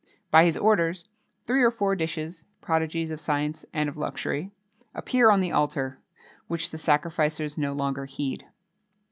By his orders, three or four dishes, prodigies of science and of luxury, appear on the altar, which the sacrificers no longer heed.